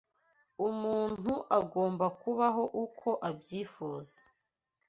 Umuntu agomba kubaho uko abyifuza